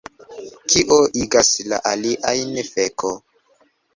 Kio igas la aliajn feko